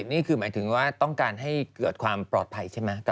นี่คือหมายถึงว่าต้องการให้เกิดความปลอดภัยใช่ไหม